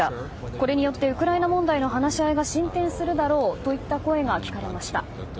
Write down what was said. これによってウクライナ問題の話し合いが進展するだろうといった声が聞かれました。